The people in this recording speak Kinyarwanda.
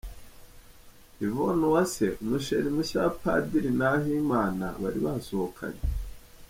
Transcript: Yvonnes Uwase umu chrie mushya wa Padiri Nahimana, bari basohokanye